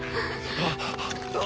あっ！